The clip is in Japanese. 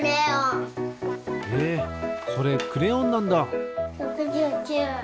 へえそれクレヨンなんだ。